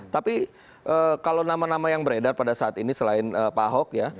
tapi kalau nama nama yang beredar pada saat ini selain pak ahok ya